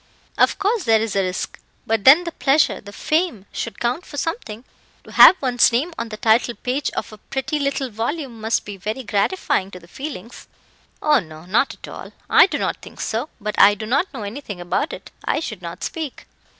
"Of course, there is a risk; but then the pleasure, the fame, should count for something. To have one's name on the title page of a pretty little volume must be very gratifying to the feelings." "Oh no, not at all. I do not think so; but I do not know anything about it. I should not speak."